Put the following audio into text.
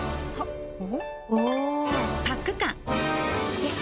よし！